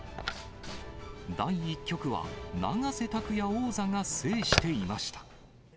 第１局は永瀬拓矢王座が制していました。